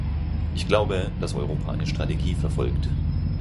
Ich glaube, dass Europa eine Strategie verfolgt.